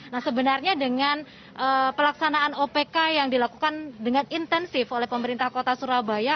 nah sebenarnya dengan pelaksanaan opk yang dilakukan dengan intensif oleh pemerintah kota surabaya